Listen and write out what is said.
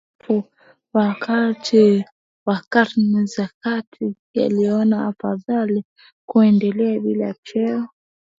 kiaskofu wakati wa karne za kati yaliona afadhali kuendelea bila cheo